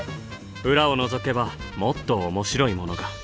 裏をのぞけばもっと面白いものが。